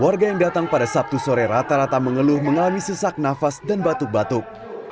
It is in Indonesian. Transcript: warga yang datang pada sabtu sore rata rata mengeluh mengalami sesak nafas dan batuk batuk